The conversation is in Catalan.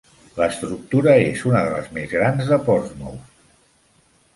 L'estructura és una de les més grans de Portsmouth.